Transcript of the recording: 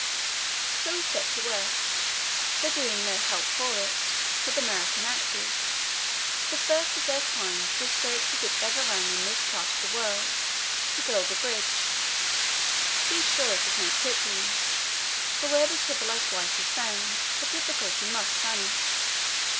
So we set to work, there being no help for it, with American axes the first of their kind the strokes of which ever rang in this part of the world to build a bridge. Be sure it was made quickly, for where the civilized white is found, a difficulty must vanish.